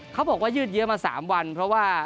เขาบอกว่ายืดเยอะมา๓วันเพราะว่า